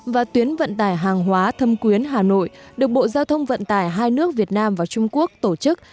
và tuyến vận tải hàng hóa thâm quyến hà nội được bộ giao thông vận tải hai nước việt nam và trung quốc tổ chức